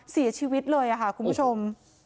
เสียชีวิตเลยค่ะคุณผู้ชม